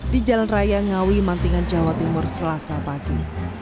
di jalan raya ngawi mantingan jawa timur selasa pagi